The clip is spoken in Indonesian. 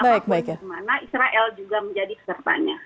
apapun di mana israel juga menjadi pesertanya